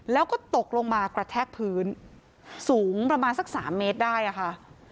แล้วก็ตกลงมากระแทกพื้นสูงประมาณสักสามเมตรได้อะค่ะ